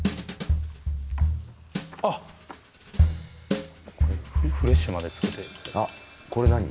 あっこれフレッシュまで付けてあっこれ何？